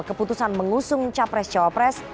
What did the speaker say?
keputusan mengusung capres cawapres